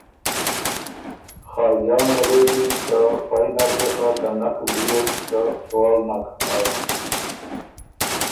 خاجان ال غوېکِن که پئ نر دې خه ته نک وریوک څه سوال نک ھۀ